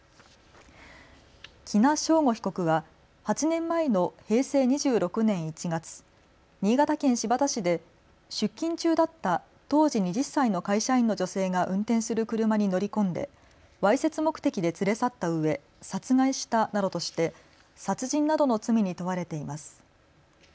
喜納尚吾被告は８年前の平成２６年１月、新潟県新発田市で出勤中だった当時２０歳の会社員の女性が運転する車に乗り込んでわいせつ目的で連れ去ったうえ殺害したなどとして殺人などの罪に問われています。